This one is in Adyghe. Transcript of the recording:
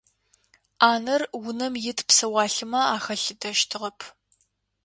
Ӏанэр унэм ит псэуалъэмэ ахалъытэщтыгъэп.